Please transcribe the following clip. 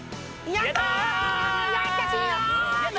やったー！